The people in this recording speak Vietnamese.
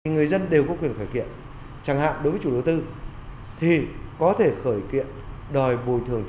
người dân đều có quyền khởi kiện chẳng hạn đối với chủ đầu tư thì có thể khởi kiện đòi bồi thường